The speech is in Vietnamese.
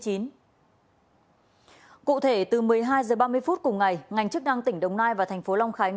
cụ thể từ một mươi hai h ba mươi phút cùng ngày ngành chức năng tỉnh đồng nai và thành phố long khánh